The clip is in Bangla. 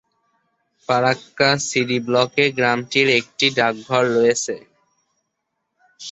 ফারাক্কা সিডি ব্লকে গ্রামটির একটি ডাকঘর রয়েছে।